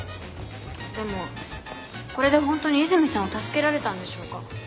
でもこれでホントに泉さんを助けられたんでしょうか。